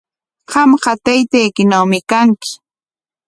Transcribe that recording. Qamqa taytaykinawmi kanki.